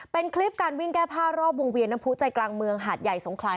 เป็นคลิปการวิ่งแก้ผ้ารอบวงเวียนน้ำผู้ใจกลางเมืองหาดใหญ่สงขลา